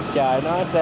nhất là hưu vị